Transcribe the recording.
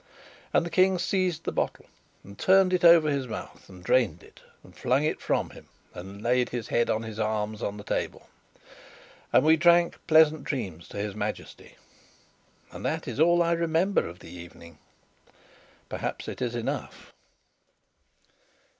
And the King seized the bottle and turned it over his mouth, and drained it and flung it from him, and laid his head on his arms on the table. And we drank pleasant dreams to his Majesty and that is all I remember of the evening. Perhaps it is enough.